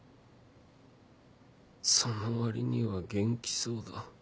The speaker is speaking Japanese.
そのわりには元気そうだ。